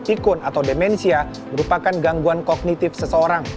tikun atau demensia merupakan gangguan kognitif seseorang